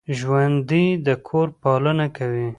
ژوندي د کور پالنه کوي